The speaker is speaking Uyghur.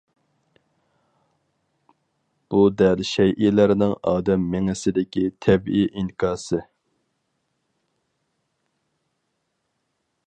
بۇ دەل شەيئىلەرنىڭ ئادەم مېڭىسىدىكى تەبىئىي ئىنكاسى.